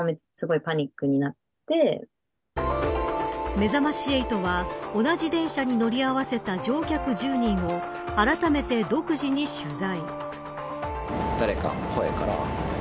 めざまし８は同じ電車に乗り合わせた乗客１０人をあらためて独自に取材。